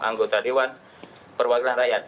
anggota dewan perwakilan rakyat